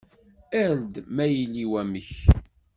Err-d ma yili wamek.